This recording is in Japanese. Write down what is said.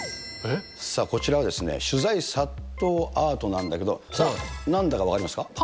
さあ、こちらは取材殺到アートなんだけど、さあ、なんだか分かりますか？